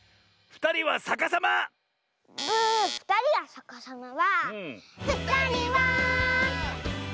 「ふたりはさかさま」だもん。